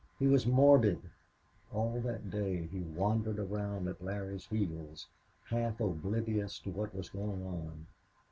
He was morbid. All that day he wandered around at Larry's heels, half oblivious of what was going on.